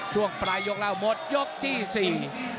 ช่วงปลายยกแล้วหมดยกที่สี่